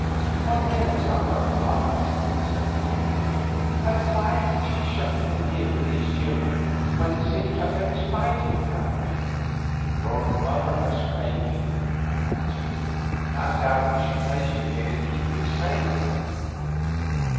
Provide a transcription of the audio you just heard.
"What ails our mother, father?" said the boy. "And why did she shut me in here with these children when it seems that there is fighting without?" "Your mother has fainted," I answered, "and doubtless she placed you here to keep you safe.